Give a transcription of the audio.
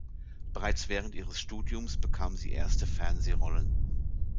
Bereits während ihres Studiums bekam sie erste Fernsehrollen.